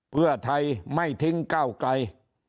เพื่อไทยไม่ทิ้งก้าวไกล